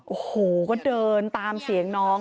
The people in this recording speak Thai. โอ้โหก็เดินตามเสียงน้อง